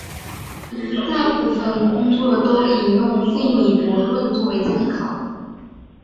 大部分工作都引用费米悖论作为参考。